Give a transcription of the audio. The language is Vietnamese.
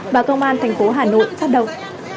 và công an thành phố hà nội phát động